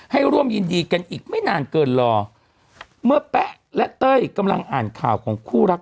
ให้ร่วมยินดีกันอีกไม่นานเกินรอเมื่อแป๊ะและเต้ยกำลังอ่านข่าวของคู่รัก